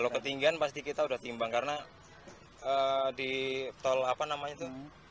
ketinggian pasti kita udah timbang karena di tol apa namanya itu